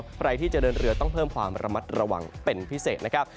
ใครที่จะเดินเรือต้องเพิ่มความระมัดระวังเป็นพิเศษนะครับ